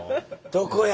どこや？